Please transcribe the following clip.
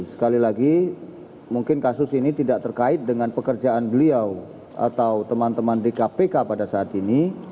sekali lagi mungkin kasus ini tidak terkait dengan pekerjaan beliau atau teman teman di kpk pada saat ini